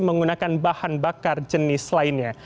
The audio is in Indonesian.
menggunakan bahan bakar jenis lainnya